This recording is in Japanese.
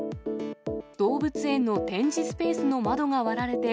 動物園の展示スペースの窓が割られて、